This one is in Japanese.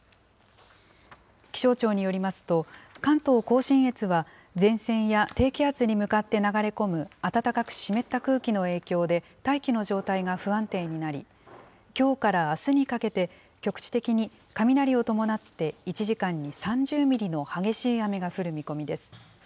気象庁によりますと、関東甲信越は、前線や低気圧に向かって流れ込む暖かく湿った空気の影響で大気の状態が不安定になり、きょうからあすにかけて、局地的に雷を伴って、１時間に３０ミリの激しい雨が降る見込みです。